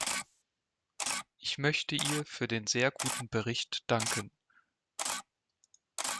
Ich möchte ihr für den sehr guten Bericht danken.